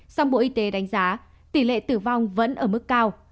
song bộ y tế đánh giá tỷ lệ tử vong vẫn ở mức cao